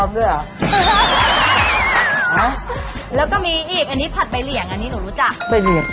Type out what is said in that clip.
แล้วก็มีอีกอันนี้ผัดใบเหลี่ยงอันนี้หนูรู้จักใบเหลี่ยง